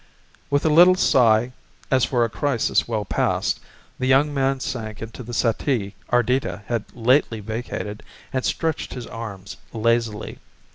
With a little sigh as for a crisis well passed, the young man sank into the settee Ardita had lately vacated and stretched his arms lazily.